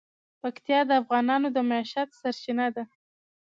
پکتیا د افغانانو د معیشت سرچینه ده.